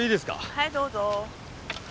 はいどうぞー。